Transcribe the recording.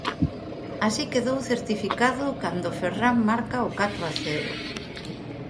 Así quedou certificado cando Ferrán marca o catro a cero.